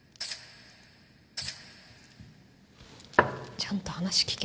ちゃんと話聞け。